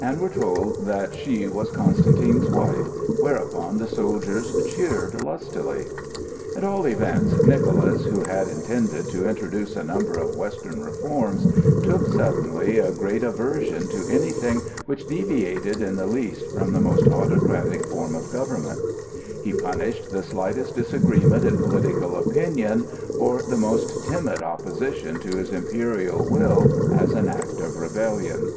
and were told that she was Constantine's wife, whereupon the soldiers cheered lustily. At all events, Nicholas, who had intended to introduce a number of Western reforms, took suddenly a great aversion to anything which deviated in the least from the most autocratic form of government; he punished the slightest disagreement in political opinion or the most timid opposition to his imperial will as an act of rebellion.